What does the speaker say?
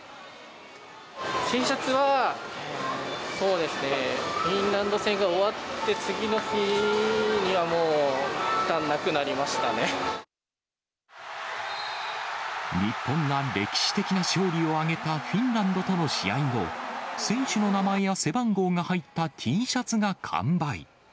Ｔシャツは、そうですね、フィンランド戦が終わって次の日にはもう、いったんなくなりまし日本が歴史的な勝利を挙げたフィンランドとの試合後、選手の名前や背番号が入ったＴシャツが完売。